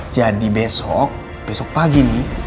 jadi besok besok pagi nih